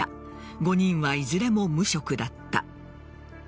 ５人はいずれも無職だった。